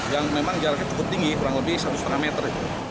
yang memang jaraknya cukup tinggi kurang lebih satu lima meter